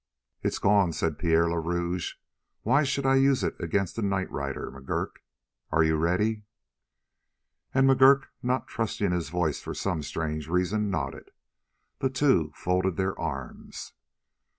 "It's gone," said Pierre le Rouge. "Why should I use it against a night rider, McGurk? Are you ready?" And McGurk, not trusting his voice for some strange reason, nodded. The two folded their arms.